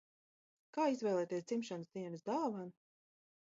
Kā izvēlēties dzimšanas dienas dāvanu?